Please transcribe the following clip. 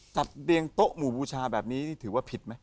เรียงโต๊ะหมู่บูชาแบบนี้นี่ถือว่าผิดไหม